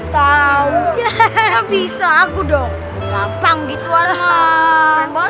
mau balapan juga